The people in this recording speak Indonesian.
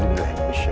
tidak ingin ku ya